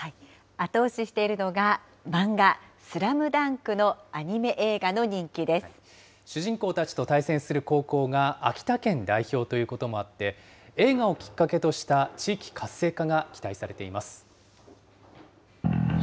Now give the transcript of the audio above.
後押ししているのが漫画、ＳＬＡＭＤＵＮＫのアニメ映画の主人公たちと対戦する高校が、秋田県代表ということもあって、映画をきっかけとした地域活性化